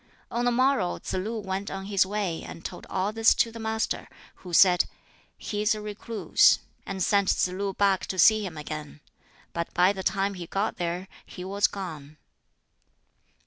On the morrow Tsz lu went on his way, and told all this to the Master, who said, "He is a recluse," and sent Tsz lu back to see him again. But by the time he got there he was gone.